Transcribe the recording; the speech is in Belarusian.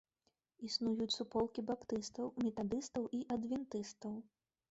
Існуюць суполкі баптыстаў, метадыстаў і адвентыстаў.